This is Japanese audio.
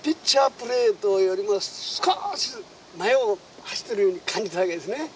プレートよりも少し前を走っているように感じたわけですね。